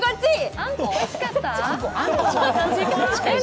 あんこうおいしかった？